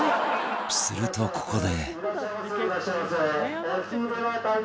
するとここで